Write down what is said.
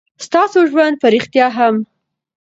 ستاسې ژوند په رښتيا هم